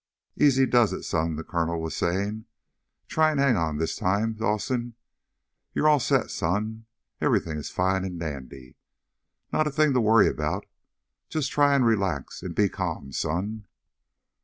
"Easy does it, son," the colonel was saying. "Try and hang on this time, Dawson. You're all set, son. Everything is fine and dandy. Not a thing to worry about. Just try and relax and be calm, son."